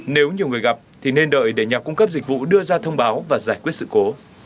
nếu nhiều người gặp thì nên đợi để nhà cung cấp dịch vụ đưa ra thông báo và giải quyết sự cố